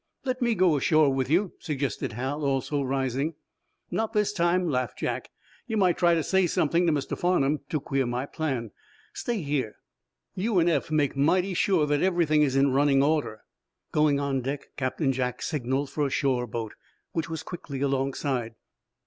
"Let me go ashore with you," suggested Hal, also rising. "Not this time," laughed Jack. "You might try to say something to Mr. Farnum to queer my plan. Stay here. You and Eph make mighty sure that everything is in running order." Going on deck, Captain Jack signaled for a shore boat, which was quickly alongside.